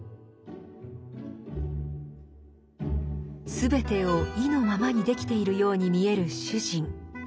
全てを意のままにできているように見える主人。